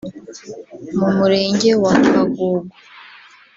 mu Murenge wa Kagogo